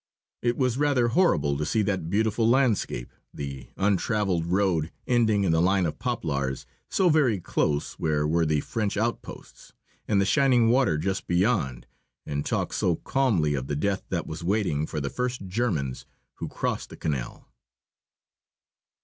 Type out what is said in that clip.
It was rather horrible to see that beautiful landscape, the untravelled road ending in the line of poplars, so very close, where were the French outposts, and the shining water just beyond, and talk so calmly of the death that was waiting for the first Germans who crossed the canal.